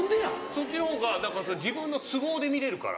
そっちの方が自分の都合で見れるから。